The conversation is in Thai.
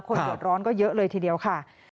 เดือดร้อนก็เยอะเลยทีเดียวค่ะ